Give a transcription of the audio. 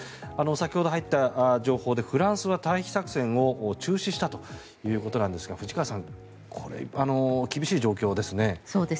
先ほど入った情報でフランスは退避作戦を中止したということなんですが藤川さん、厳しい状況ですね。